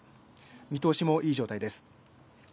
見通しもいい状態です。